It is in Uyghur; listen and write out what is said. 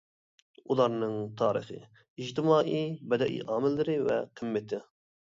ئۇلارنىڭ تارىخىي، ئىجتىمائىي، بەدىئىي ئامىللىرى ۋە قىممىتى.